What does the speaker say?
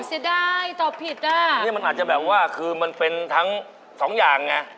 เสียดายตอบผิดอ่ะนี่มันอาจจะแบบว่าคือมันเป็นทั้งสองอย่างไง